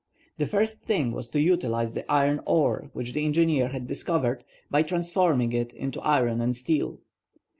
The first thing was to utilize the iron ore which the engineer had discovered, by transforming it into iron and steel.